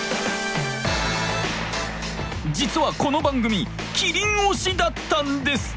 実はこの番組「キリン推し」だったんです！